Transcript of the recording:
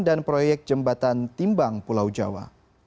dan proyek jembatan timbang pulau jawa